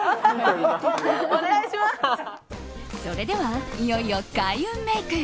それでは、いよいよ開運メイク。